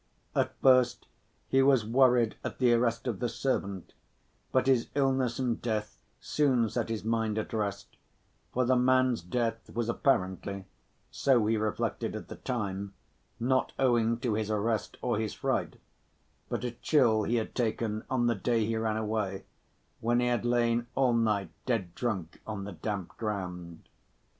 At first he was worried at the arrest of the servant, but his illness and death soon set his mind at rest, for the man's death was apparently (so he reflected at the time) not owing to his arrest or his fright, but a chill he had taken on the day he ran away, when he had lain all night dead drunk on the damp ground.